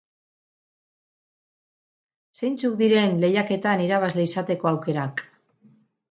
Zeintzuk diren lehiaketan irabazle izateko aukerak?